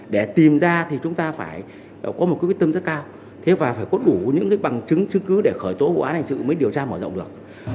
để tìm ra thì chúng ta phải có một quyết tâm rất cao và phải có đủ những bằng chứng chứng cứ để khởi tổ hội án hành sự mới điều tra mở rộng được